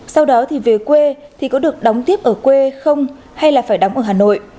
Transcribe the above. sau đó thì về quê thì có được đóng tiếp ở quê không hay là phải đóng ở hà nội